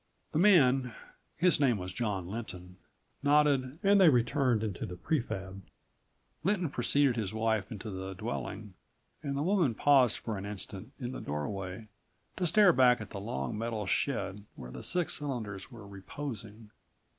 The man his name was John Lynton nodded and they returned into the pre fab. Lynton preceded his wife into the dwelling and the woman paused for an instant in the doorway to stare back at the long metal shed where the six cylinders were reposing